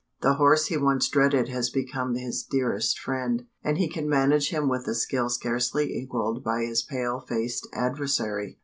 The horse he once dreaded has become his dearest friend; and he can manage him with a skill scarcely equalled by his pale faced adversary.